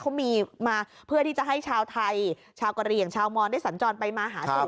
เขามีมาเพื่อที่จะให้ชาวไทยชาวกะเหลี่ยงชาวมอนได้สัญจรไปมาหาซื้อ